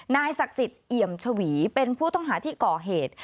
นายศักดิ์สิทธิ์เอี่ยมชวีเป็นผู้ต้องหาที่ก่อเหตุ